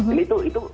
itu itu itu